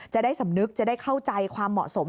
จะได้สำนึกจะได้เข้าใจความเหมาะสม